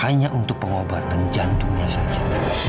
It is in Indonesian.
hanya untuk pengobatan jantungnya saja